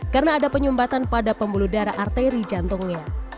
karena ada penyumbatan pada pembuluh darah arteri jantungnya